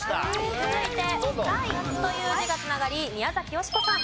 続いて「深い」という字が繋がり宮崎美子さん。